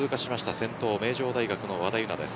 先頭名城大の和田です。